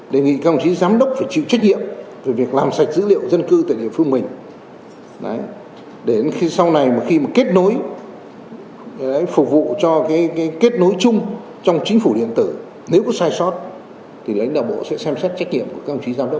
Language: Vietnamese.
đề nghị các ông chí giám đốc phải chịu trách nhiệm về việc làm sạch dữ liệu dân cư tại địa phương mình để khi sau này mà khi mà kết nối phục vụ cho kết nối chung trong chính phủ điện tử nếu có sai sót thì lãnh đạo bộ sẽ xem xét trách nhiệm của các ông chí giám đốc